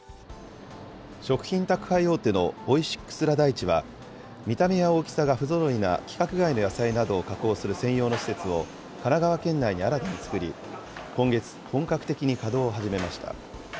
食品宅配大手のオイシックス・ラ・大地は、見た目や大きさが不ぞろいな規格外の野菜などを加工する専用の施設を、神奈川県内に新たに作り、今月、本格的に稼働を始めました。